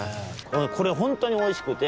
これほんとにおいしくて。